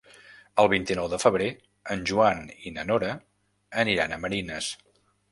El vint-i-nou de febrer en Joan i na Nora aniran a Marines.